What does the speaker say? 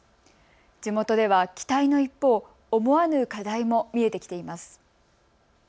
地元では期待の一方、思わぬ課題も見えてきています。